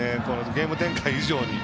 ゲーム展開以上に。